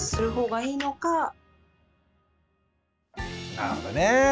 なるほどね。